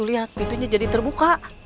lihat pintunya jadi terbuka